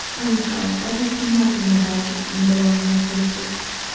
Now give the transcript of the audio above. Anyhow, I have seen nothing about it in the London papers.